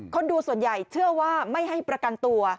คนดูส่วนใหญ่เชื่อว่าไม่ให้ประกันตัว